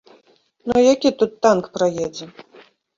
Ну які тут танк праедзе?